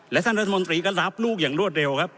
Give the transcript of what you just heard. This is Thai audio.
และท่านรัฐมนตรีก็รับลูกอย่างรวดเร็วครับ